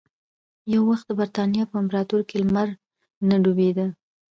یو وخت د برېتانیا په امپراتورۍ کې لمر نه ډوبېده.